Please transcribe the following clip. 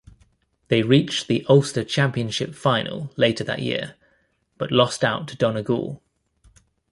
They reached the Ulster Championship final later that year, but lost out to Donegal.